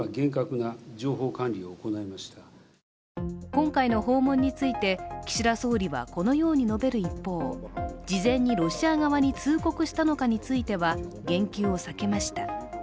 今回の訪問について岸田総理はこのように述べる一方、事前にロシア側に通告したのかについては、言及を避けました。